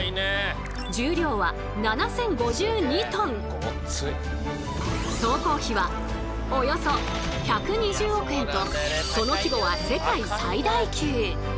こちらは総工費はおよそ１２０億円とその規模は世界最大級！